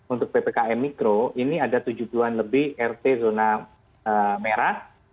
untuk ppkm mikro ini ada tujuh puluh an lebih rt zona merah